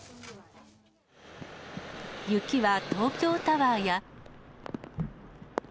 雪は東京タワーや。